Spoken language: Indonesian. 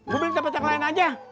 gua beli tempat yang lain aja